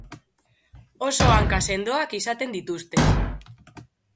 Oso hanka sendoak izaten dituzte.